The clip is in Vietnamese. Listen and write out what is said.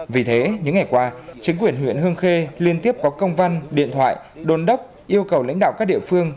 vì thế những ngày qua chính quyền huyện hương khê liên tiếp có công văn điện thoại đồn đốc yêu cầu lãnh đạo các địa phương